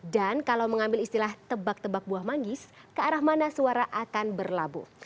dan kalau mengambil istilah tebak tebak buah manggis ke arah mana suara akan berlabuh